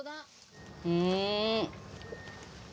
うん。